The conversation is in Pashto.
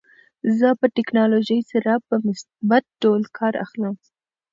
زه له ټکنالوژۍ څخه په مثبت ډول کار اخلم.